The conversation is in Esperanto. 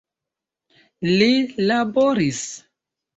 Li laboris.